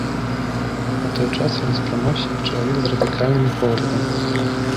У той час ён успрымаўся як чалавек з радыкальнымі поглядамі.